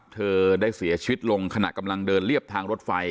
เธอได้เสียชีวิตลงขณะกำลังเดินเรียบทางรถไฟ